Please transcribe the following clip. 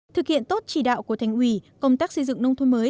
thực hiện tốt chỉ đạo của thành ủy công tác xây dựng nông thôn mới